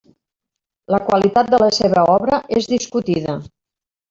La qualitat de la seva obra és discutida.